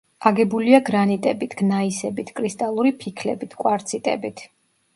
აგებულია გრანიტებით, გნაისებით, კრისტალური ფიქლებით, კვარციტებით.